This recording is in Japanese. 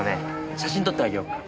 写真撮ってあげようか？